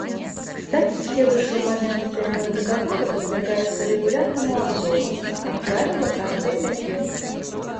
Кстати, все вышеупомянутые мною договоры подвергаются регулярному обзору, как правило, каждые пять лет.